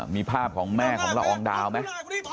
มีภาพของแม่ของละอองดาวไหม